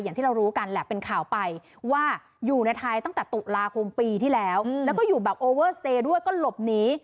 อย่างที่เรารู้กันแหละเป็นข่าวไปว่าอยู่ในไทยตั้งแต่ตุลาคมปีที่แล้วแล้วก็อยู่แบบโอเวอร์สเตย์ด้วยก็หลบหนี